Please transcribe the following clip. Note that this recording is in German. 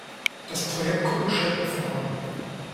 Das Projekt kommt nur schleppend voran.